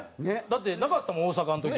だってなかったもん大阪の時。